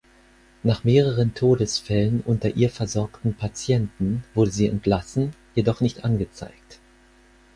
Nach mehreren Todesfällen unter von ihr versorgten Patienten wurde sie entlassen, jedoch nicht angezeigt.